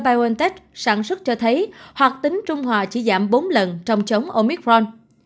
các kháng thể từ những người đã tiêm hai mũi vaccine moderna cho thấy hoạt tính trung hòa chỉ giảm bốn lần trong chống omicron